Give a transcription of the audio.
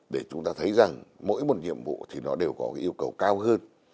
để chúng ta thấy rằng mỗi một nhiệm vụ thì nó đều có cái yêu cầu cao hơn